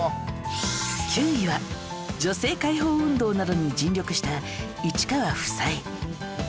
９位は女性解放運動などに尽力した市川房枝